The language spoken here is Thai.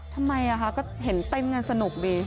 ทำไมก็เห็นเต้นกันสนุกดี